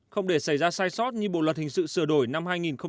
không để xảy ra sai sót như bộ luật hình sự sửa đổi năm hai nghìn một mươi năm